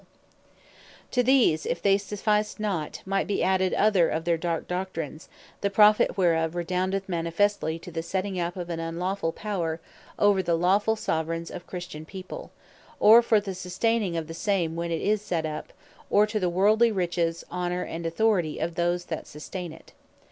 The Authors Of Spirituall Darknesse, Who They Be To these, if they sufficed not, might be added other of their dark Doctrines, the profit whereof redoundeth manifestly, to the setting up of an unlawfull Power over the lawfull Soveraigns of Christian People; or for the sustaining of the same, when it is set up; or to the worldly Riches, Honour, and Authority of those that sustain it.